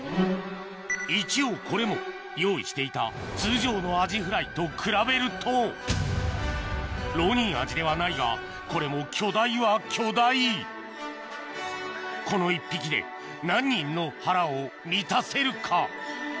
一応これも用意していた通常のアジフライと比べるとロウニンアジではないがこれも巨大は巨大この１匹で何人の腹を満たせるか？